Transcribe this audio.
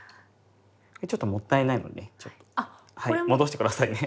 ちょっともったいないのでちょっと戻して下さいね。